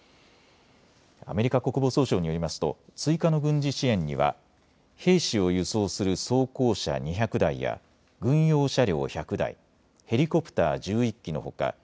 アメリカ国防総省によりますと追加の軍事支援には兵士を輸送する装甲車２００台や軍用車両１００台、ヘリコプター１１機のほか